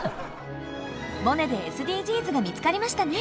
「モネ」でＳＤＧｓが見つかりましたね！